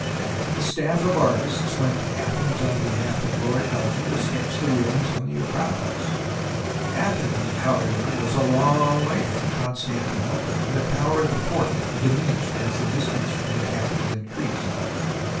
A staff of artists went to Athens on behalf of Lord Elgin to sketch the ruins on the Acropolis. Athens, however, was a long way from Constantinople, THE ROMANCE OF EXCAVATION 179 and the power of the Porte diminished as the distance from the capital increased.